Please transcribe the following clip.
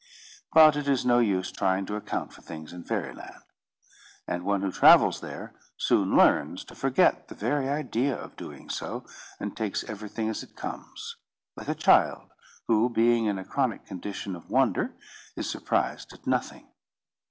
But it is no use trying to account for things in Fairy Land; and one who travels there soon learns to forget the very idea of doing so, and takes everything as it comes; like a child, who, being in a chronic condition of wonder, is surprised at nothing.